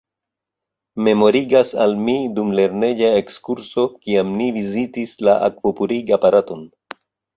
Memorigas al mi dum lerneja ekskurso kiam ni vizitis la akvopurig-aparaton...